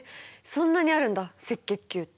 そんなにあるんだ赤血球って。